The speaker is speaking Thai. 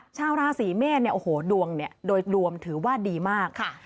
ชาวราศรีเมษย์ดวงโดยรวมถือว่าดีมาก